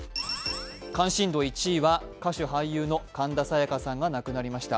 関心度１位は歌手・俳優の神田沙也加さんが亡くなりました。